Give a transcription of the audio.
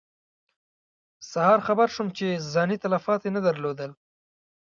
سهار خبر شوم چې ځاني تلفات یې نه درلودل.